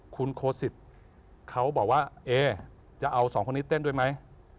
คุณโคสิตเขาบอกว่าเอ๊จะเอาสองคนนี้เต้นด้วยไหม